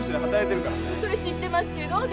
それ知ってますけど。